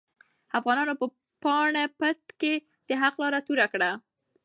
افغانانو په پاني پت کې د حق لاره توره کړه.